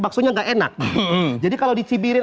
baksonya nggak enak jadi kalau dicibirin